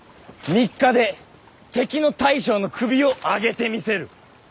３日で敵の大将の首を挙げてみせる。